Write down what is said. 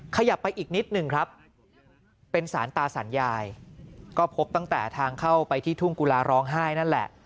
ขยับไปอีกนิดหนึ่งครับเป็นสารตาสารยายก็พบตั้งแต่ทางเข้าไปที่ทุ่งกุลาร้องไห้นั่นแหละ